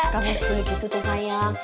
kamu enggak boleh gitu toh sayang